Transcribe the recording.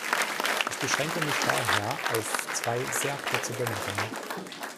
Ich beschränke mich daher auf zwei sehr kurze Bemerkungen.